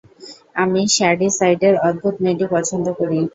আমি শ্যাডিসাইডের অদ্ভুত মেয়েটিকে পছন্দ করি।